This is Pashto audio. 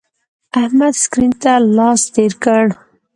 احمد سکرین ته لاس تیر کړ.